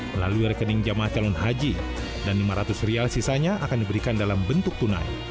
melalui rekening jamaah calon haji dan rp lima ratus sisanya akan diberikan dalam bentuk tunai